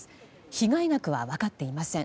被害額は分かっていません。